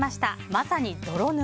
まさに泥沼。